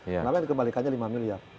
kenapa dikembalikannya lima miliar